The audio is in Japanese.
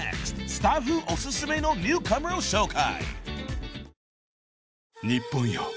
スタッフお薦めのニューカマーを紹介］